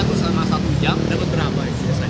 itu selama satu jam dapat berapa